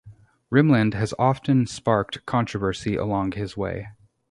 Rimland has often sparked controversy along his way.